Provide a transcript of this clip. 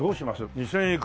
２０００円いく？